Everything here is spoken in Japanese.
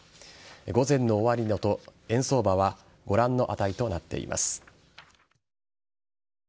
午前の終値と円相場はご覧の値となっています。